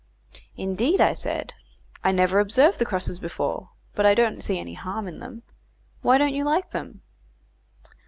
"Indeed," I said, "I never observed the crosses before, but I don't see any harm in them. Why don't you like them?"